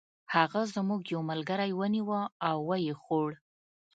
هغه زموږ یو ملګری ونیوه او و یې خوړ.